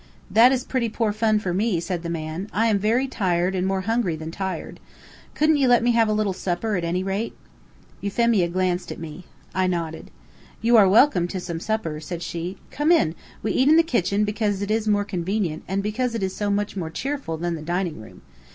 "That is pretty poor fun for me," said the man. "I am very tired, and more hungry than tired. Couldn't you let me have a little supper at any rate?" Euphemia glanced at me. I nodded. "You are welcome to some supper," she said, "Come in! We eat in the kitchen because it is more convenient, and because it is so much more cheerful than the dining room.